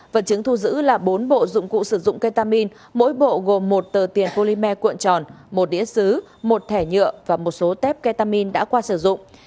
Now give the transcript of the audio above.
vật chứng thu giữ là bốn bộ dụng cụ sử dụng ketamin mỗi bộ gồm một tờ tiền polymer cuộn tròn một đĩa xứ một thẻ nhựa và một số tép ketamine đã qua sử dụng